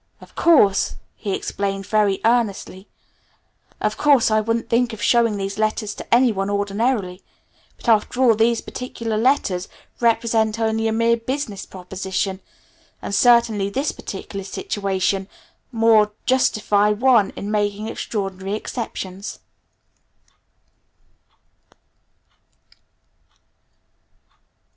"Of course," he explained very earnestly, "of course I wouldn't think of showing these letters to any one ordinarily; but after all, these particular letters represent only a mere business proposition, and certainly this particular situation must justify one in making extraordinary exceptions."